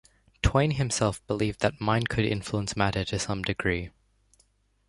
Twain himself believed that mind could influence matter to some degree.